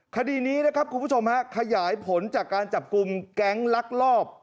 คดีนี้นะครับคุณผู้ชมฮะขยายผลจากการจับกลุ่มแก๊งลักลอบ